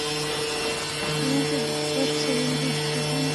তোমাকে দশ সেকেন্ড দিচ্ছি বন্দুক ফেলে দাও!